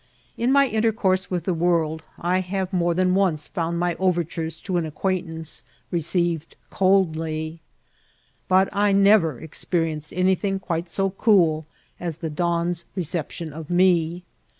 In my inter course with the world I have more than once found my overtures to an acquaintance received coldly, but I nev er experienced anything quite so cool as the don's re ception of me.